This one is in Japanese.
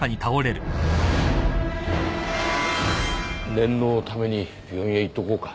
念のために病院へ行っとこうか。